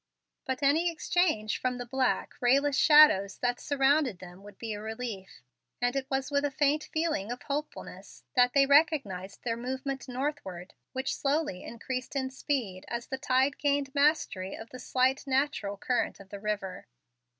But any exchange from the black, rayless shadows that surrounded them would be a relief; and it was with a faint feeling of hopefulness that they recognized their movement northward, which slowly increased in speed as the tide gained mastery of the slight natural current of the river.